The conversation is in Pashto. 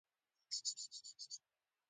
بادرنګ د شکر ناروغانو ته مناسب دی.